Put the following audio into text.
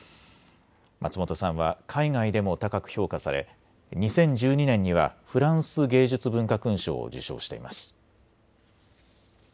松本さんは海外でも高く評価され２０１２年にはフランス芸術文化勲章を受章しています。